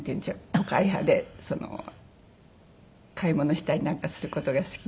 都会派でその買い物したりなんかする事が好きで。